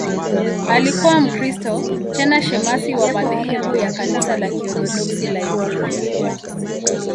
Alikuwa Mkristo, tena shemasi wa madhehebu ya Kanisa la Kiorthodoksi la Ethiopia.